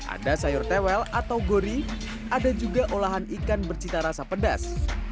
ada sayur tewel atau gori ada juga olahan ikan bercita rasa pedas